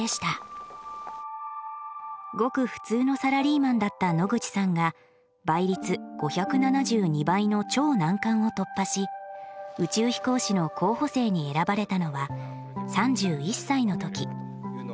ごく普通のサラリーマンだった野口さんが倍率５７２倍の超難関を突破し宇宙飛行士の候補生に選ばれたのは３１歳の時。